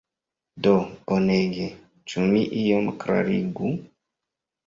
Do bonege, ĉu mi iom klarigu?